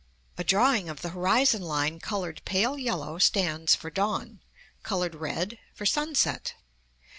A drawing of the horizon line colored pale yellow stands for dawn; colored red, for sunset.